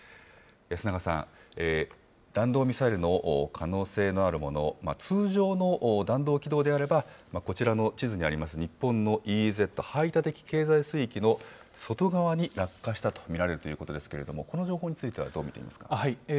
安永さん、弾道ミサイルの可能性のあるもの、通常の弾道軌道であれば、こちらの地図にあります、日本のＥＥＺ・排他的経済水域の外側に落下したと見られるということですけれども、この情報についてはどう見ていますか。